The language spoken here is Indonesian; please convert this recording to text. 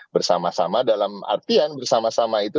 bersama sama dalam artian bersama sama itu